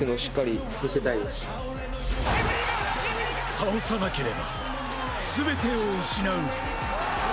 倒さなければ全てを失う。